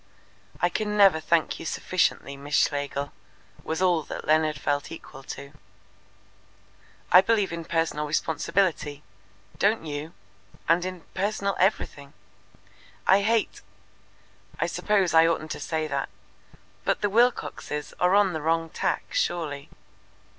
"I can never thank you sufficiently, Miss Schlegel," was all that Leonard felt equal to. "I believe in personal responsibility. Don't you? And in personal everything. I hate I suppose I oughtn't to say that but the Wilcoxes are on the wrong tack surely.